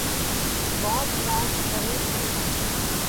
ڪام ڪاز ڪري سي